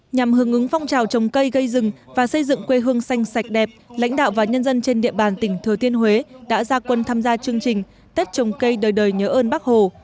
nhằm hưởng ứng phong trào trồng cây gây rừng và xây dựng quê hương xanh sạch đẹp lãnh đạo và nhân dân trên địa bàn tỉnh thừa thiên huế đã ra quân tham gia chương trình tết trồng cây đời đời nhớ ơn bác hồ